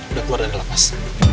udah keluar dari lapas